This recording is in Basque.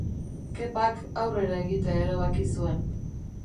Kepak, aurrera egitea erabaki zuen.